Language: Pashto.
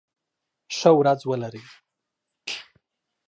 ښه ورځ ولری